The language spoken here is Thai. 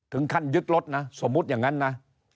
ถึงขั้นยึดรถนะสมมุติอย่างนั้นนะ